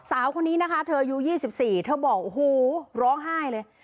สาวคนนี้นะคะเธออายุ๒๔เธอบอกโอ้โหร้องไห้เลย